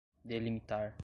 delimitar